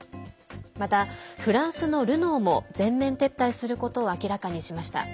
また、フランスのルノーも全面撤退することを明らかにしました。